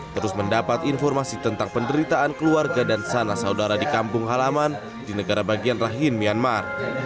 terus mendapat informasi tentang penderitaan keluarga dan sana saudara di kampung halaman di negara bagian rahim myanmar